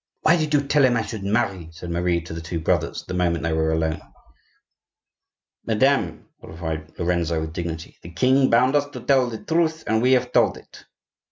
"Why did you tell him I should marry?" said Marie to the two brothers, the moment they were alone. "Madame," replied Lorenzo, with dignity, "the king bound us to tell the truth, and we have told it."